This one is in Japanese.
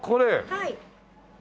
はい。